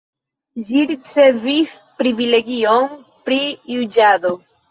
Ĝi ricevis privilegion pri juĝado.